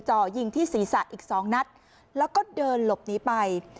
จ่อยิงที่ศีรษะอีกสองนัดแล้วก็เดินหลบหนีไป